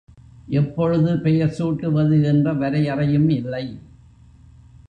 எப்பொழுது பெயர் சூட்டுவது என்ற வரையறையும் இல்லை.